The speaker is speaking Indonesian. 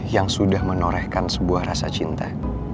yang sudah menorehkan sebuah rasa cinta